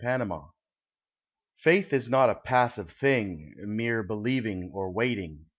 _ FAITH Faith is not a passive thing mere believing or waiting.